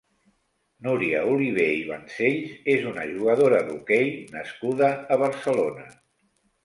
Núria Olivé i Vancells és una jugadora d'hoquei nascuda a Barcelona.